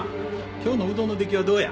今日のうどんの出来はどうや？